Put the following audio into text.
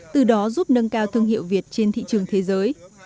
từ đó giúp nâng cao thương hiệu việt trên thị trường thế giới